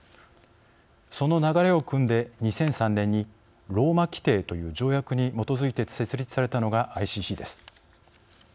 その流れをくんで、２００３年にローマ規程という条約に基づいて設立されたのがＩＣＣです。